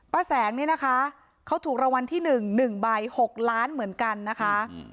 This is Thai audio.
ป้าแสงนี่นะคะเขาถูกรางวัลที่หนึ่งหนึ่งใบหกล้านเหมือนกันนะคะ